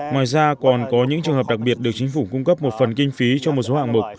ngoài ra còn có những trường hợp đặc biệt được chính phủ cung cấp một phần kinh phí cho một số hạng mục